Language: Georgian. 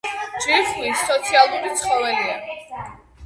ჯიხვი სოციალური ცხოველია.